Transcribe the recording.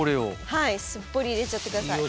はいすっぽり入れちゃって下さい。